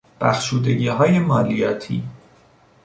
بخشودگیهای مالیاتی